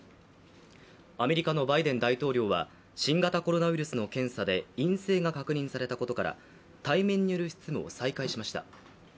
アメリカのバイデン大統領は新型コロナウイルスの検査で陰性が確認されたことから対面による執務を再開しました。